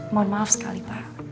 mohon maaf sekali pak